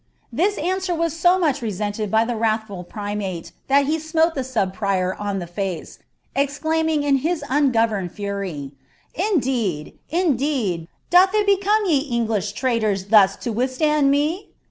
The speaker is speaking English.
^'■ This answer was so much resented by the vraihful primate' thai he smote the sub prior on the face, exclaiming in ijiiL'OTemcd fary, " Indeed, indeed, doih it become ye English traitors ■ u.i withstand me